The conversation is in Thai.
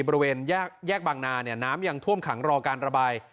บริเวณแยกบางนาน้ำยังท่วมขังรอการระบาย